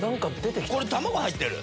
これ卵入ってる！